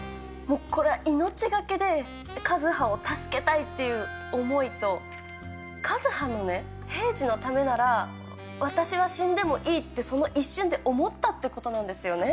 これはもう、命懸けで和葉を助けたいっていう思いと、和葉のね、平次のためなら、私は死んでもいいって、その一瞬で思ったってことなんですよね。